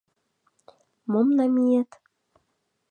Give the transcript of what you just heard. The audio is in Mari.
Мом намиет?